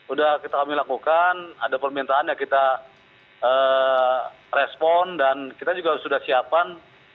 udah kita kami lakukan ada permintaan ya kita respon dan kita juga sudah siapkan